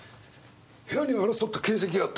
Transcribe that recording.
部屋には争った形跡があったんだろ？